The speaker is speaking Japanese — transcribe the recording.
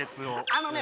あのね